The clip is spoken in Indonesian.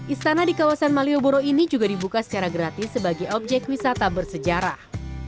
istana di kawasan malioboro ini juga dibuka secara gratis sebagai objek wisata bersejarah